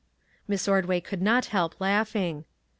Miss Ordway could not help laughing.